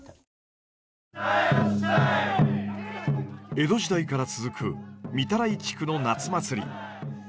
江戸時代から続く御手洗地区の夏祭り。